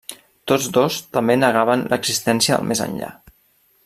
Tots dos també negaven l'existència del més enllà.